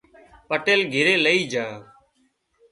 پٽيل گھري لئي جھا